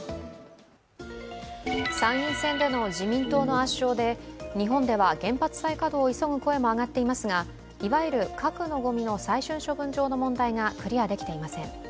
参院選での自民党の圧勝で日本では原発再稼働を急ぐ声も上がっていますが、いわゆる核のごみの最終処分場の問題がクリアできていません。